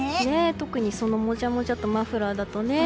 特に、そのもじゃもじゃとマフラーだとね。